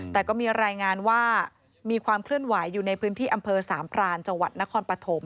แต่ก็มีรายงานว่ามีความเคลื่อนไหวอยู่ในพื้นที่อำเภอสามพรานจังหวัดนครปฐม